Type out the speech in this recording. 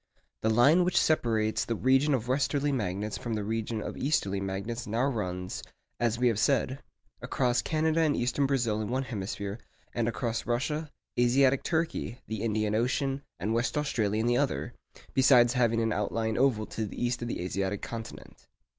The line which separates the region of westerly magnets from the region of easterly magnets now runs, as we have said, across Canada and eastern Brazil in one hemisphere, and across Russia, Asiatic Turkey, the Indian Ocean, and West Australia in the other, besides having an outlying oval to the east of the Asiatic continent.